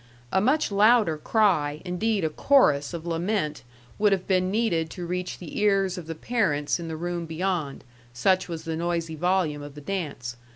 A much louder cry, indeed a chorus of lament, would have been needed to reach the ears of the parents in the room beyond, such was the noisy volume of the dance.